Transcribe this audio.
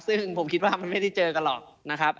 ซึ่งผมคิดว่ามันไม่ได้เจอกันหรอกนะครับ